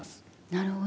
なるほど。